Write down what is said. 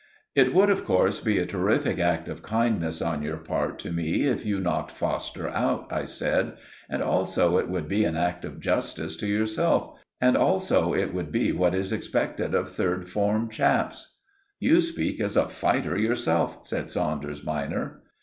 "It would, of course, be a terrific act of kindness on your part to me if you knocked Foster out," I said; "and also it would be an act of justice to yourself; and also it would be what is expected of third form chaps." "You speak as a fighter yourself," said Saunders minor.